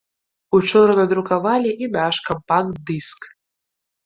Учора надрукавалі і наш кампакт-дыск.